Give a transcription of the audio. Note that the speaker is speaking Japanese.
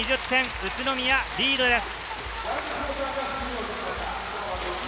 宇都宮がリードです。